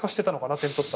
点取った後。